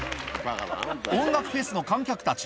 音楽フェスの観客たち。